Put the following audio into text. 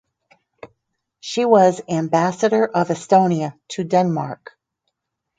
She was Ambassador of Estonia to Denmark.